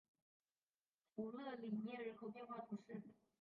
弗勒里涅人口变化图示